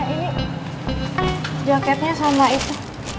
ini joketnya sama itu